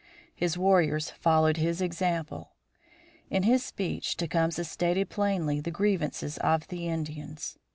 His warriors followed his example. In his speech Tecumseh stated plainly the grievances of the Indians.